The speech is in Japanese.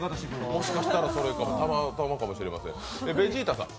もしかしたら、それかも、たまたまかもしれません。